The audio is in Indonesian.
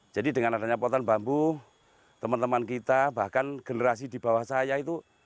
jadi dengan adanya pokotan bambu teman teman kita bahkan generasi di bawah saya itu